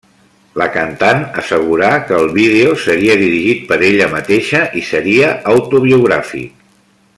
La cantant assegurà que el vídeo seria dirigit per ella mateixa, i seria autobiogràfic.